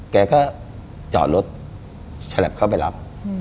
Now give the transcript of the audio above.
แกก็จอดรถฉลับเข้าไปรับ